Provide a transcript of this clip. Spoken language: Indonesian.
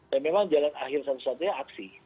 dan memang jalan akhir satu satunya aksi